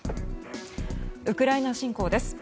ウクライナ侵攻です。